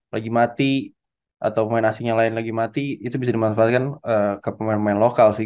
lagi mati atau pemain asing yang lain lagi mati itu bisa dimanfaatkan ke pemain pemain lokal sih